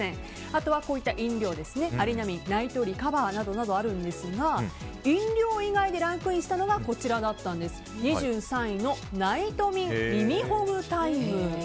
あとは、こういった飲料アリナミンナイトリカバリーなどがあるんですが飲料以外でランクインしたのが２３位のナイトミン耳ほぐタイム。